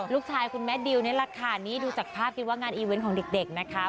คุณแม่ดิวนี่แหละค่ะนี่ดูจากภาพคิดว่างานอีเวนต์ของเด็กนะคะ